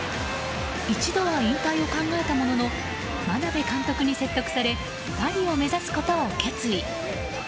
一度は引退を考えたものの眞鍋監督に説得されパリを目指すことを決意。